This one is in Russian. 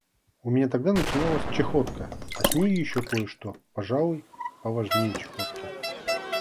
У меня тогда начиналась чахотка, а с нею еще кое-что, пожалуй, поважнее чахотки.